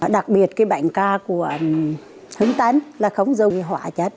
đặc biệt cái bánh cà của hưng tân là không dùng hỏa chất